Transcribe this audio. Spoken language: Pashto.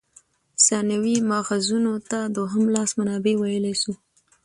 ثانوي ماخذونو ته دوهم لاس منابع ویلای سو.